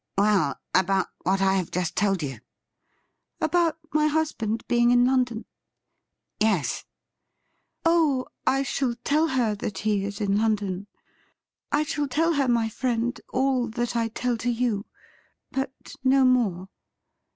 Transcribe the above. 'Well, about what I have just told you.' ' About my husband being in London i"' ' Yes.' ' Oh, I shall tell her that he is in London. I shall tell 208 THE RIDDLE RING her, my friend, all that I tell to you — but no more.